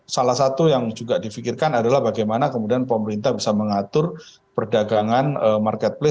salah satu yang juga difikirkan adalah bagaimana kemudian pemerintah bisa mengatur perdagangan marketplace